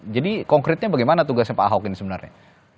jadi konkretnya bagaimana tugasnya pak ahok ini sebenarnya